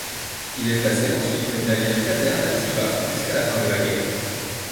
Il est placé ensuite comme navire-caserne à Tivat jusqu'à la fin de la guerre.